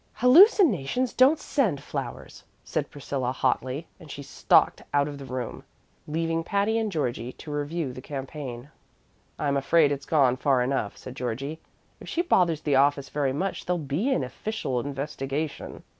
"Hallucinations don't send flowers," said Priscilla, hotly; and she stalked out of the room, leaving Patty and Georgie to review the campaign. "I'm afraid it's gone far enough," said Georgie. "If she bothers the office very much there'll be an official investigation."